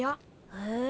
へえ。